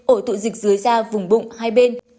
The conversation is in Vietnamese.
ổ tụ dịch dưới da vùng bụng hai bên